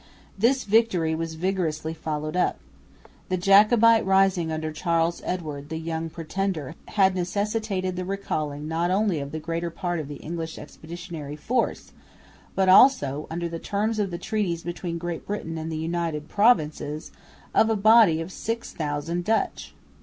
This victory was vigorously followed up. The Jacobite rising under Charles Edward, the young Pretender, had necessitated the recalling not only of the greater part of the English expeditionary force, but also, under the terms of the treaties between Great Britain and the United Provinces, of a body of 6000 Dutch.